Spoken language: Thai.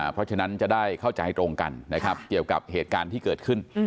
เพราะฉะนั้นจะได้เข้าใจตรงกันนะครับเกี่ยวกับเหตุการณ์ที่เกิดขึ้น